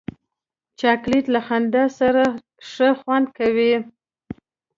چاکلېټ له خندا سره ښه خوند کوي.